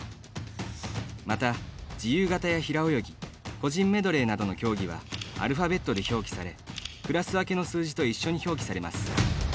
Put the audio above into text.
また、自由形や平泳ぎ個人メドレーなどの競技はアルファベットで表記されクラス分けの数字と一緒に表記されます。